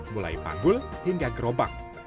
mulai panggul hingga gerobak